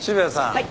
はい！